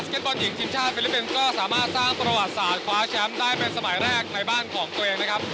ก็สามารถสร้างตรงหรอศาสนขวาแชมพ์ได้บรรณสมัยแรกในบ้านของตัวเองนะครับ